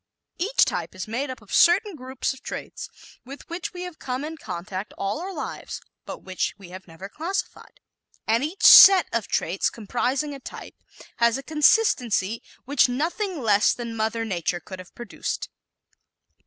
Each type is made up of certain groups of traits with which we have come in contact all our lives but which we have never classified; and each "set" of traits comprising a type has a consistency which nothing less than Mother Nature could have produced.